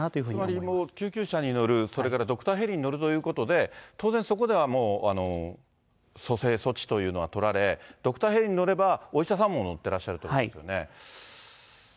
つまり、救急車に乗る、それからドクターヘリに乗るということで、当然、そこではもう、蘇生措置というのは取られ、ドクターヘリに乗れば、お医者さんも乗ってらっしゃるということですよね。